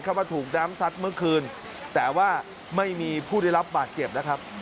ว่าถูกน้ำซัดเมื่อคืนแต่ว่าไม่มีผู้ได้รับบาดเจ็บนะครับ